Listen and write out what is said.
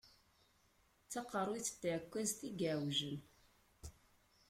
D taqerruyt n tɛekkwazt i yeɛewjen.